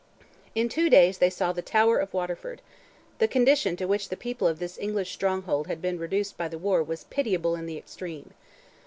In two days they saw "the tower of Waterford." The condition to which the people of this English stronghold had been reduced by the war was pitiable in the extreme.